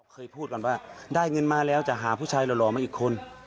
เคยพูดกันว่าได้เงินมาแล้วจะหาผู้ชายหล่อมาอีกคน